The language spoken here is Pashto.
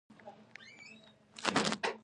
په شکور کښې په ډوډو څپُوڼے خپور کړه۔